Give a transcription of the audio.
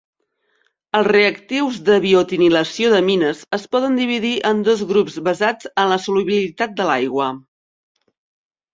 Els reactius de biotinilació d'amines es poden dividir en dos grups basats en la solubilitat de l'aigua.